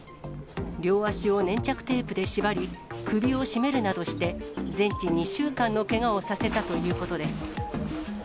両足を粘着テープで縛り、首を絞めるなどして、全治２週間のけがをさせたということです。